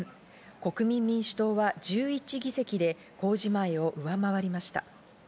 国民民主党は１１議席で公示前を上回りました。